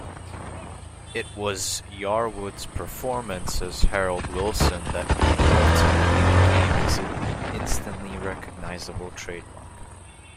It was Yarwood's performance as Harold Wilson that ultimately became his instantly recognisable trademark.